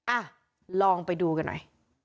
อ่ะลองไปดูกันหน่อย